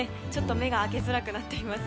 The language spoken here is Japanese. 目が開けづらくなっています。